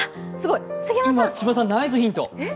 今、千葉さん、ナイスヒント。